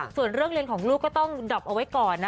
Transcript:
ส่วนเรื่องเรียนของลูกก็ต้องดับเอาไว้ก่อนนะ